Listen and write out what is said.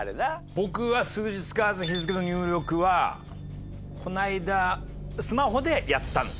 僕は数字使わず日付の入力はこの間スマホでやったんです。